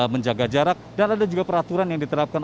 menjaga jarak dan ada juga peraturan yang diterapkan